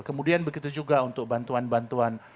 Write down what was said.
kemudian begitu juga untuk bantuan bantuan